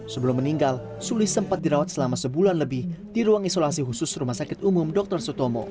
sebelum meninggal sulis sempat dirawat selama sebulan lebih di ruang isolasi khusus rumah sakit umum dr sutomo